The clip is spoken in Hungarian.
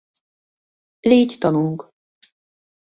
Légy tanúnk!